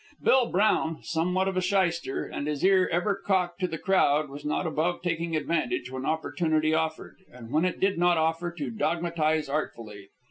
Bill Brown, somewhat of a shyster, and his ear ever cocked to the crowd, was not above taking advantage when opportunity offered, and when it did not offer, to dogmatize artfully.